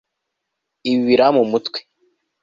Ibi birampa umutwe